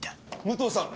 武藤さん！